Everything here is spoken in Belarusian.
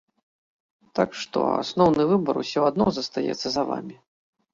Так што, асноўны выбар усё адно застаецца за вамі.